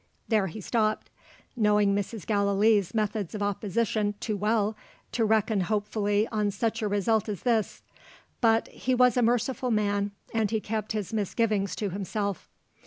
There he stopped; knowing Mrs. Gallilee's methods of opposition too well to reckon hopefully on such a result as this. But he was a merciful man and he kept his misgivings to himself.